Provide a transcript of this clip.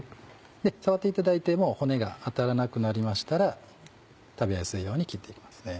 触っていただいてもう骨が当たらなくなりましたら食べやすいように切って行きますね。